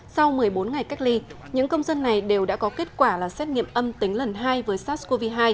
sau một mươi bốn ngày cách ly những công dân này đều đã có kết quả là xét nghiệm âm tính lần hai với sars cov hai